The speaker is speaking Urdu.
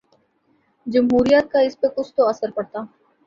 جمہوریت کا اس پہ کچھ تو اثر پڑتا۔